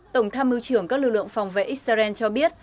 tổng tham mưu trưởng các lực lượng phòng vệ israel cho biết